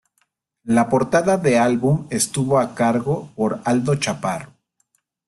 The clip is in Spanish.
La portada de álbum estuvo a cargo por Aldo Chaparro.